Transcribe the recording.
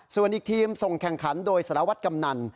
ส่วนอีกทีมส่งแข่งขันโดยสารวัตรกำนัน